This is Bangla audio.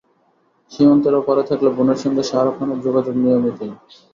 সীমান্তের ওপারে থাকলে বোনের সঙ্গে শাহরুখ খানের যোগযোগ নিয়মিতই।